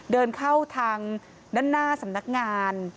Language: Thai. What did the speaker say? เดินเข้าทางด้านหน้าสำนักงาน